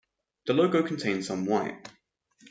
The logo contained some white.